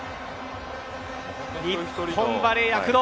日本バレー、躍動。